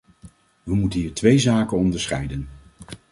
We moeten hier twee zaken onderscheiden.